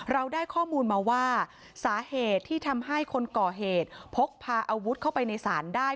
เราได้ข้อมูลมาว่าสาเหตุที่ทำให้คนก่อเหตุพกพาอาวุธเข้าไปในศาลได้